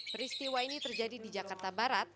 peristiwa ini terjadi di jakarta barat